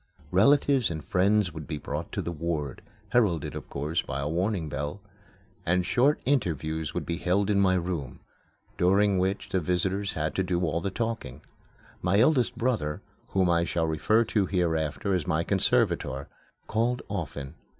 Relatives and friends would be brought to the ward heralded, of course, by a warning bell and short interviews would be held in my room, during which the visitors had to do all the talking. My eldest brother, whom I shall refer to hereafter as my conservator, called often.